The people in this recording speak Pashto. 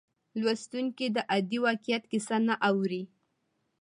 لوستونکی د عادي واقعیت کیسه نه اوري.